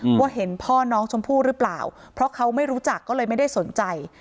ว่าเห็นพ่อน้องชมพู่หรือเปล่าเพราะเขาไม่รู้จักก็เลยไม่ได้สนใจ